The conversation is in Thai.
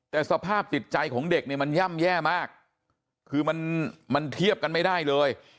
แต่สภาพจิตใจของเด็กเนี่ยมันย่ำแย่มากคือมันเทียบกันไม่ได้เลย